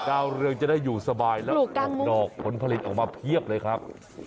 ดาวเรืองจะได้อยู่สบายแล้วออกดอกผลผลิตออกมาเพียบเลยครับ